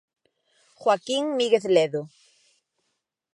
Joaquín Míguez Ledo.